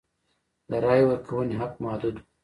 د رایې ورکونې حق محدود و.